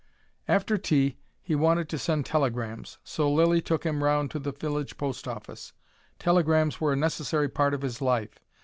After tea, he wanted to send telegrams, so Lilly took him round to the village post office. Telegrams were a necessary part of his life.